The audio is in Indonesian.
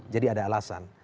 jadi ada alasan